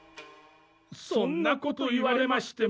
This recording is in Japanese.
そんなこと言われましても。